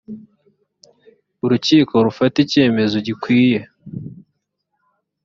urukiko rufata icyemezo gikwiye.